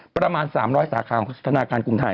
ประมาณ๓๐๐สาขาของธนาคารกรุงไทย